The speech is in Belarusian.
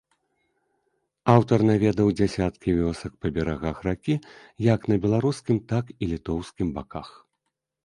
Аўтар наведаў дзясяткі вёсак па берагах ракі як на беларускім, так і літоўскім баках.